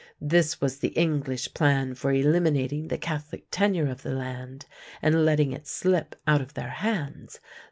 This was the English plan for eliminating the Catholic tenure of the land and letting it slip out of their hands.